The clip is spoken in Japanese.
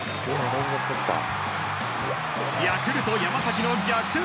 ヤクルト山崎の逆転